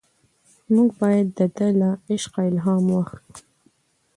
موږ باید د ده له عشقه الهام واخلو.